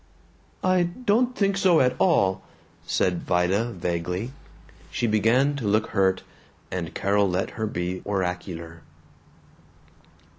"I don't think so at all," said Vida vaguely. She began to look hurt, and Carol let her be oracular.